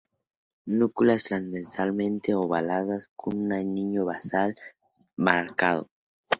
Núculas transversalmente ovadas, con un anillo basal bien marcado.